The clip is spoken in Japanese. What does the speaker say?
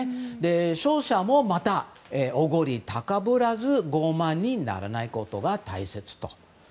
勝者もまた、おごり高ぶらず傲慢にならないことが大切だと。